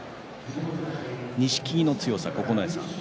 錦木の強さ、九重さん